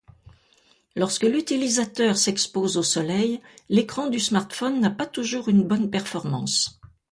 Lorsque l'utilisateur s'expose au soleil, l'écran du smartphone n'a pas toujours une bonne performance.